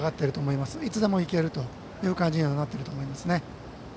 いつでもいけるという感じになっていると思います。